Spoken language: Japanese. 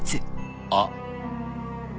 あっ。